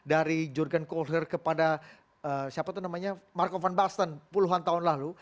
dari jurgen kohlherr kepada marco van basten puluhan tahun lalu